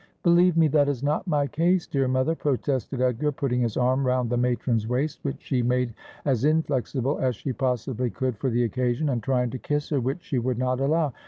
' Believe me that is not my case, dear mother,' protested 246 Asphodel. Edgar, putting his arm round the matron's waist, which she made as inflexible as she possibly could for the occasion, and trying to kiss her, which she would not allow.